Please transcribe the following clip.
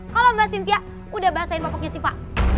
kalau mbak sintia udah basahin popoknya siva